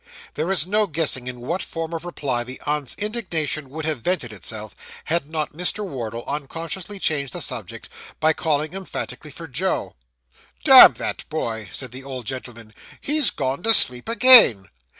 There is no guessing in what form of reply the aunt's indignation would have vented itself, had not Mr. Wardle unconsciously changed the subject, by calling emphatically for Joe. 'Damn that boy,' said the old gentleman, 'he's gone to sleep again.